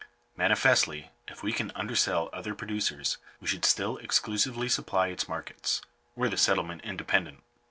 Manifestly, if we can undersell other pro ducers, we should still exclusively supply its markets, were the settlement independent.